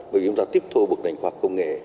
bởi vì chúng ta tiếp thu bước đành khoa học công nghệ